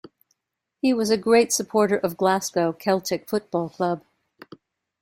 He was a great supporter of Glasgow Celtic Football Club.